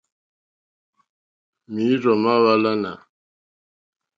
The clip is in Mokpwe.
Mǐīrzɔ̀ má hwàlánà.